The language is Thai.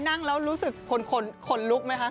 นั่งแล้วรู้สึกคนลุกไหมคะ